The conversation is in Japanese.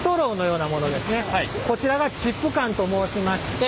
こちらがチップ管と申しまして。